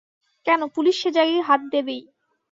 কেন, পুলিশ সে জায়গায় হাত দেবেই।